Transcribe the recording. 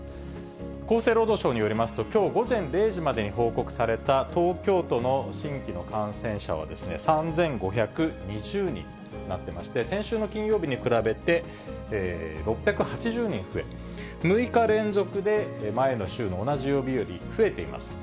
厚生労働省によりますと、きょう午前０時までに報告された東京都の新規の感染者は３５２０人となってまして、先週の金曜日に比べて６８０人増え、６日連続で前の週の同じ曜日より増えています。